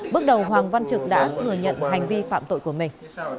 bước đầu hoàng văn trực đã thừa nhận hành vi phạm tội của mình